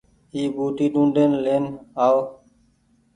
اي ٻوٽي ڊونڊين لين آئو